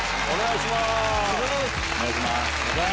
お願いします。